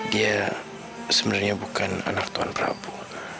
dia sebenarnya bukan anak tuan prabowo